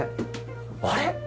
あれ？